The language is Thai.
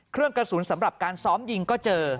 เครื่องกระสุนสำหรับการซ้อมยิงก็เจอ